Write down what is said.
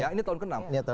ini tahun ke enam